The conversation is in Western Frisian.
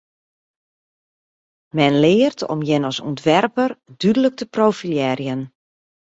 Men leart om jin as ûntwerper dúdlik te profilearjen.